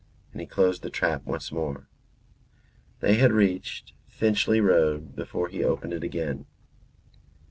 And he closed the trap once more. They had reached Finchley Road before he opened it again.